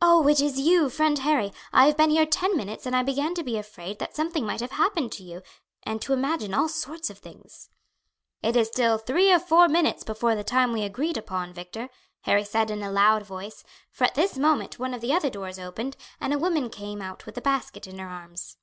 "Oh, it is you, friend Harry! I have been here ten minutes, and I began to be afraid that something might have happened to you and to imagine all sorts of things." "It is still three or four minutes before the time we agreed upon, Victor," Harry said in a loud voice, for at this moment one of the other doors opened, and a woman came out with a basket in her arms.